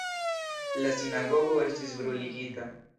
La sinagogo estis bruligita.